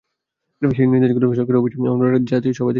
সেই নির্দেশগুলি সরকারি অফিসে এমনভাবে টাঙাতে হবে যাতে সবাই দেখতে পারেন।